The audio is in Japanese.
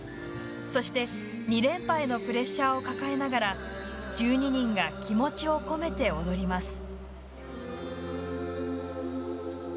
そして２連覇へのプレッシャーを抱えながら１２人が気持ちを込めて踊ります。